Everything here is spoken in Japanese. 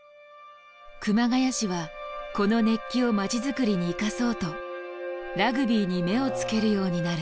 熊谷市はこの熱気を街づくりに生かそうとラグビーに目をつけるようになる。